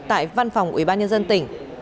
tại văn phòng ubnd tỉnh